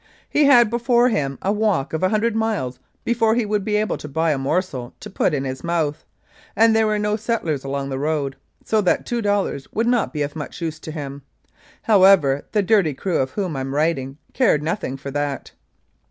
He had before him a walk of 100 miles before he would be able to buy a morsel to put in his mouth, and there were no settlers along the road, so that two dollars would not be of much use to him. However, the dirty crew of whom I am writing cared nothing for that.